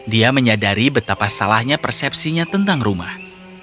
dia menyadari betapa salahnya persepsinya tentang rumah